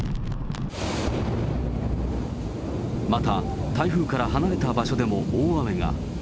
また、台風から離れた場所でも大雨が。